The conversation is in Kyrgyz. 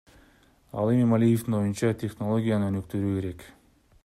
Ал эми Малиевдин оюнча, технологияны өнүктүрүү керек.